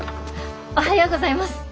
おはようございます。